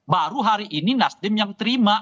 baru hari ini nasdem yang terima